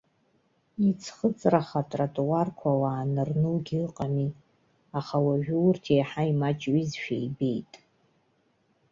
Иӡхыҵраха атротуарқәа ауаа анырнугьы ыҟами, аха уажәы урҭ еиҳа имаҷҩызшәа ибеит.